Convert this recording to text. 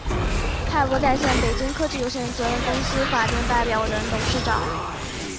派博在线（北京）科技有限责任公司法定代表人、董事长